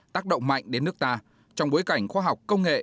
tác động mạnh đến nước ta trong bối cảnh khoa học công nghệ